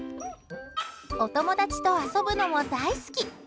お友達と遊ぶのも大好き！